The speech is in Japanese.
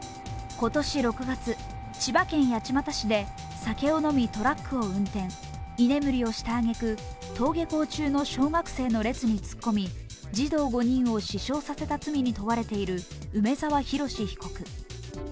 今年６月、千葉県八街市で酒を飲みトラックを運転、居眠りをしたあげく登下校中の小学生の列に突っ込み、児童５人を死傷させた罪に問われている梅沢洋被告。